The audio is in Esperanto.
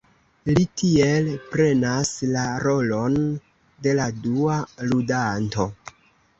Li tiel prenas la rolon de la dua ludanto.